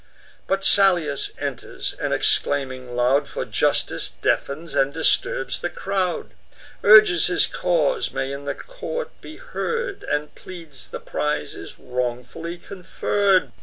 But Salius enters, and, exclaiming loud For justice, deafens and disturbs the crowd; Urges his cause may in the court be heard; And pleads the prize is wrongfully conferr'd.